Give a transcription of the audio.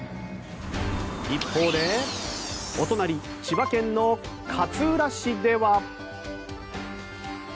一方で、お隣千葉県の勝浦市では。